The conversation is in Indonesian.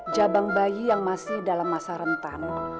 jabang bayi yang masih dalam masa rentan